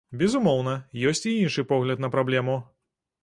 Безумоўна, ёсць і іншы погляд на праблему.